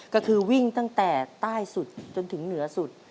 ก็คือวิ่งตั้งแต่ใต้สุดจนถึงเหนือสุด